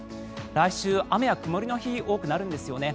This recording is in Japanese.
来週、雨や曇りの日多くなるんですよね。